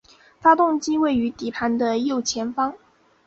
发动机位于底盘的右前方。